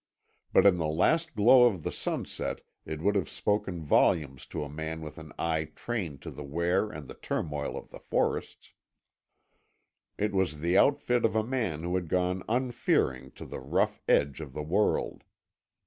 But in the last glow of the sunset it would have spoken volumes to a man with an eye trained to the wear and the turmoil of the forests. It was the outfit of a man who had gone unfearing to the rough edge of the world.